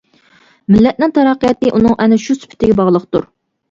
مىللەتنىڭ تەرەققىياتى ئۇنىڭ ئەنە شۇ سۈپىتىگە باغلىقتۇر.